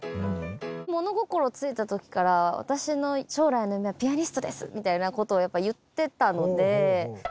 物心ついた時から「私の将来の夢はピアニストです」みたいな事を言ってたので。